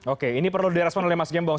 oke ini perlu di respon oleh mas gembong